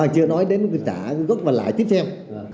chưa nói đến trả gốc và lại tiếp theo